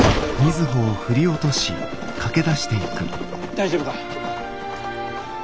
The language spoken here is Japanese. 大丈夫か？